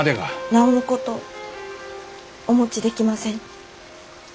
なおのことお持ちできません。